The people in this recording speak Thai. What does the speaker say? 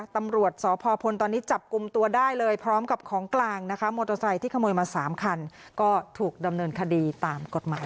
ตำรวจสพตอนนี้จับกลุ่มตัวได้เลยพร้อมกับของกลางนะคะ